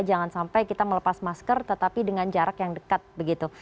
jangan sampai kita melepas masker tetapi dengan jarak yang dekat begitu